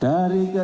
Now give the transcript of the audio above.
dari yang mana